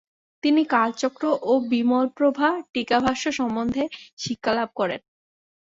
তিনি কালচক্র ও বিমলপ্রভা টীকাভাষ্য সম্বন্ধে শিক্ষালাভ করেন।